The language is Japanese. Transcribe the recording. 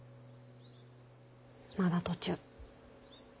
まだ途中。